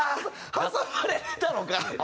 挟まれてたのか。